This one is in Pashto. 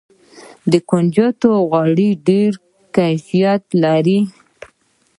د کنجدو غوړي ډیر کیفیت لري.